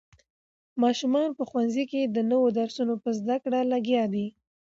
ماشومان په ښوونځي کې د نوو درسونو په زده کړه لګیا دي.